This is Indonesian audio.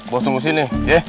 bos tunggu sini ya